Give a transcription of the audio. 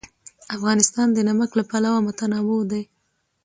افغانستان د نمک له پلوه متنوع دی.